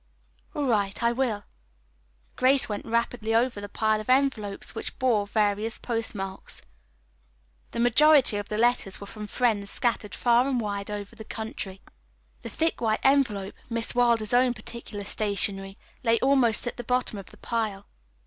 "All right, I will." Grace went rapidly over the pile of envelopes which bore various postmarks. The majority of the letters were from friends scattered far and wide over the country. The thick white envelope, Miss Wilder's own particular stationery, lay almost at the bottom of the pile.